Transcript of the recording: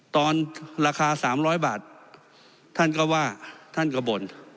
ตอนราคา๓๐๐บาทท่านก็ว่าท่านก็บ่น